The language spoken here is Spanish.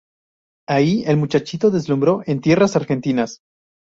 Ahí el muchachito deslumbró en tierras argentinas.